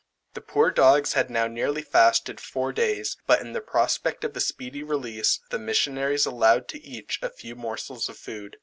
The poor dogs had now nearly fasted four days, but in the prospect of a speedy release, the missionaries allowed to each a few morsels of food.